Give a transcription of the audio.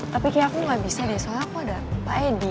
tapi kayak aku gak bisa deh soalnya aku ada pak edi